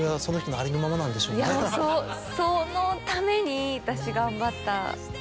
いやもうそのために私頑張った。